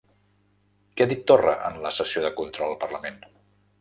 Què ha dit Torra en la sessió de control al parlament?